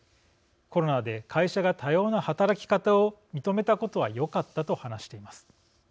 コロナで会社が多様な働き方を認めたことはよかった」と話しています。